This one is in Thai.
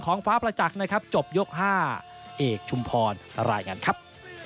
โปรดติดตามตอนต่อไป